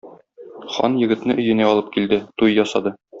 Хан егетне өенә алып килде, туй ясады.